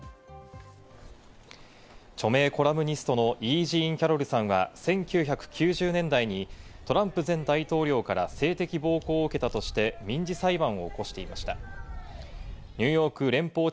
著名コラムニストのＥ・ジーン・キャロルさんは１９９０年代にトランプ前大統領から性的暴行を受けたとして民事裁判を起こしていました。